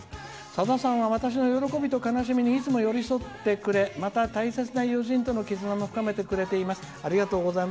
「さださんは私の喜びと悲しみにいつも寄り添ってくれまた大切な友人との絆も深めてくれています。